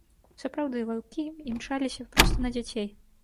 Сапраўды, ваўкі імчаліся проста на дзяцей.